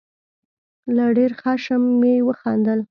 له ډېر خښم مې وخندل.